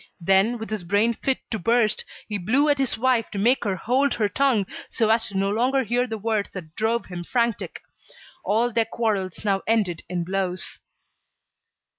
Then, with his brain fit to burst, he flew at his wife to make her hold her tongue, so as to no longer hear the words that drove him frantic. All their quarrels now ended in blows.